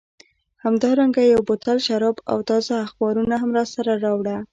همدارنګه یو بوتل شراب او تازه اخبارونه هم راسره راوړه.